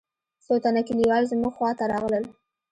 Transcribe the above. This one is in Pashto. څو تنه كليوال زموږ خوا ته راغلل.